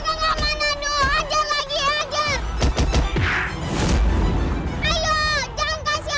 tung jangan galak galak